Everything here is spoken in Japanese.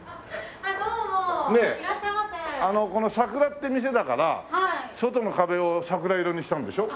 ＳＡＫＵＲＡっていう店だから外の壁を桜色にしたんでしょ？